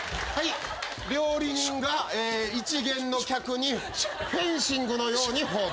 料理人がいちげんの客にフェンシングのように包丁。